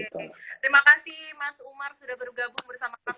terima kasih mas umar sudah bergabung bersama kami